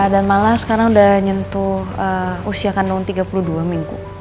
dan malah sekarang udah nyentuh usia kandung tiga puluh dua minggu